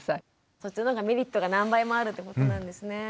そっちのほうがメリットが何倍もあるってことなんですね。